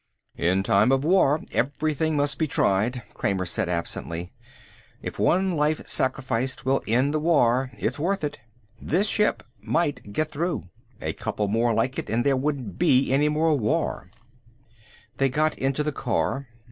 "In time of war everything must be tried," Kramer said absently. "If one life sacrificed will end the war it's worth it. This ship might get through. A couple more like it and there wouldn't be any more war." They got into the car.